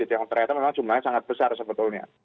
yang ternyata memang jumlahnya sangat besar sebetulnya